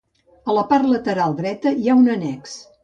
A la part lateral dreta hi ha un annex.